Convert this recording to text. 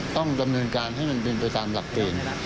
ต้องดำเนินการให้มันเป็นไปตามหลักเกณฑ์